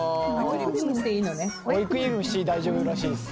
追いクリームして大丈夫らしいです。